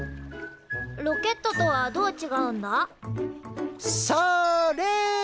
ロケットとはどうちがうんだ？